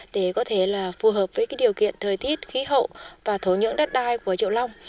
để có thể là phù hợp với điều kiện thời tiết khí hậu và thổ nhưỡng đất đai của triệu long